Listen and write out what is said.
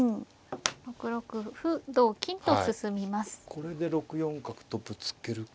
これで６四角とぶつけるか。